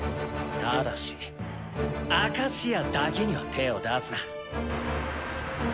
ただし明石屋だけには手を出すな。